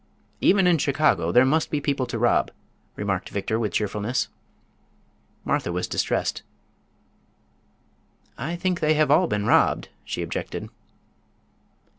"Even in Chicago there must be people to rob," remarked Victor, with cheerfulness. Martha was distressed. "I think they have all been robbed," she objected.